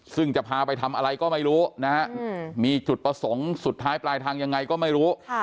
ซึ่งจะพาไปทำอะไรก็ไม่รู้นะฮะมีจุดประสงค์สุดท้ายปลายทางยังไงก็ไม่รู้